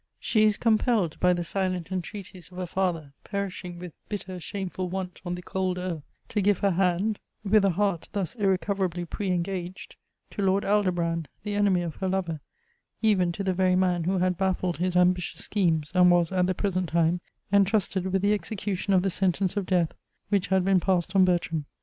She is compelled by the silent entreaties of a father, perishing with "bitter shameful want on the cold earth," to give her hand, with a heart thus irrecoverably pre engaged, to Lord Aldobrand, the enemy of her lover, even to the very man who had baffled his ambitious schemes, and was, at the present time, entrusted with the execution of the sentence of death which had been passed on Bertram.